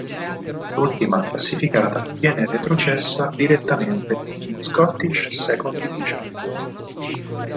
L'ultima classificata viene retrocessa direttamente in Scottish Second Division.